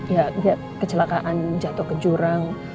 ya kecelakaan jatuh ke jurang